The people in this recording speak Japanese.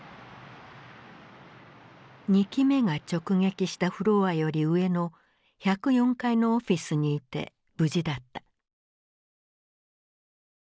２機目が直撃したフロアより上の１０４階のオフィスにいて無事だった。